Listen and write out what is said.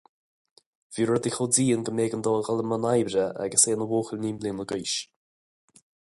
Bhí rudaí chomh dian go mb'éigean dó dul i mbun oibre agus é ina bhuachaill naoi mbliana d'aois.